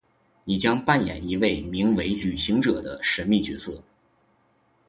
你将扮演一位名为「旅行者」的神秘角色。